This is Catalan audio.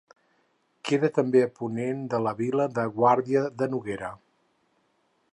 Queda també a ponent de la vila de Guàrdia de Noguera.